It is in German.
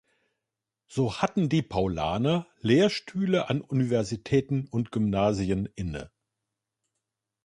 So hatten die Paulaner Lehrstühle an Universitäten und Gymnasien inne.